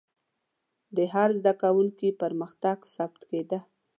د هر زده کوونکي پرمختګ ثبت کېده.